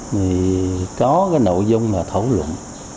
thì có cái nội dung là thấu luận